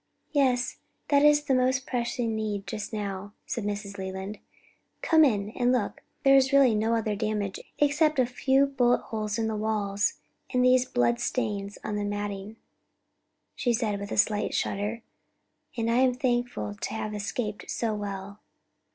"Yes, that is the most pressing need just now," said Mrs. Leland. "Come in and look; there is really no other damage except a few bullet holes in the walls, and these blood stains on the matting," she said with a slight shudder; "and I am truly thankful to have escaped so well."